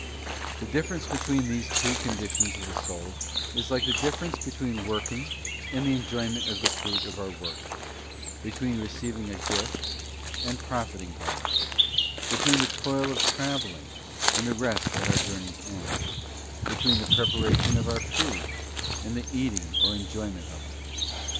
The difference between these two conditions of the soul is like the difference between working, and the enjoyment of the fruit of our work; between receiving a gift, and profiting by it; between the toil of travelling, and the rest at our journey's end; between the preparation of our food, and the eating or enjoyment of it.